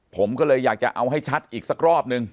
ผมก็เลยอยากจะเอาให้ชัดอีกสักรอบนึง